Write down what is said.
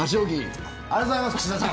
ありがとうございます岸田さん。